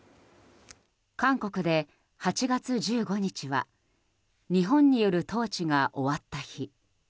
韓国で８月１５日は日本による統治が終わった日。